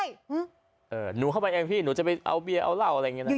อ่ะมองเข้าไปเองจะไปเอาเบียร์แล้วอ๋อล้าวอะไรอย่างนี้